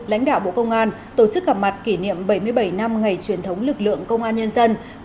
lãnh đạo bộ công an tổ chức gặp mặt kỷ niệm bảy mươi bảy năm ngày truyền thống lực lượng công an nhân dân